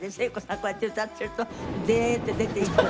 こうやって歌っているとデーッと出ていく。